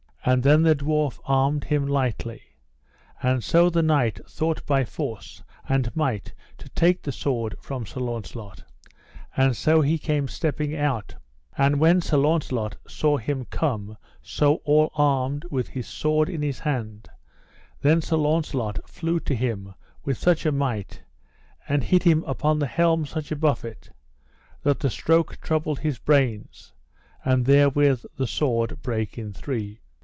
And then the dwarf armed him lightly; and so the knight thought by force and might to take the sword from Sir Launcelot, and so he came stepping out; and when Sir Launcelot saw him come so all armed with his sword in his hand, then Sir Launcelot flew to him with such a might, and hit him upon the helm such a buffet, that the stroke troubled his brains, and therewith the sword brake in three.